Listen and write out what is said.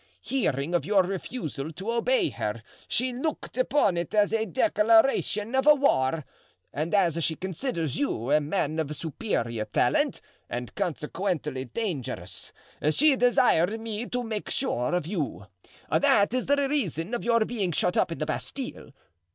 Hearing of your refusal to obey her she looked upon it as a declaration of war, and as she considers you a man of superior talent, and consequently dangerous, she desired me to make sure of you; that is the reason of your being shut up in the Bastile.